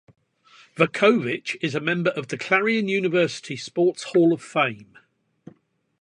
Vuckovich is a member of the Clarion University Sports Hall of Fame.